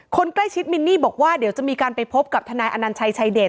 คนใกล้ชิดมินนี่บอกว่าเดี๋ยวจะมีการไปพบกับทนายอนัญชัยชายเดช